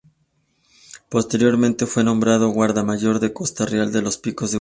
Posteriormente fue nombrado guarda mayor del Coto Real de los Picos de Europa.